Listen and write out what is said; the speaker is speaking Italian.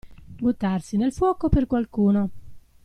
Buttarsi nel fuoco per qualcuno.